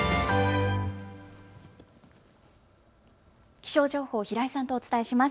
気象情報、平井さんとお伝えします。